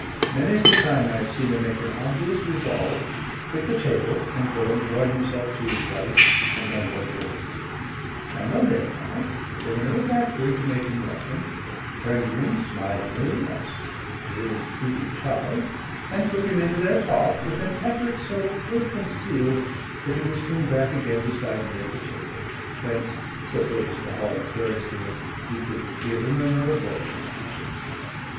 Many's the time I have seen him make an obvious resolve, quit the table, and go and join himself to his wife and my Lord Durrisdeer; and on their part, they were never backward to make him welcome, turned to him smilingly as to an intruding child, and took him into their talk with an effort so ill concealed that he was soon back again beside me at the table, whence (so great is the hall of Durrisdeer) we could but hear the murmur of voices at the chimney.